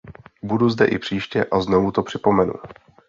Budu zde i příště a znovu to připomenu.